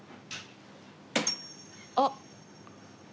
あっ！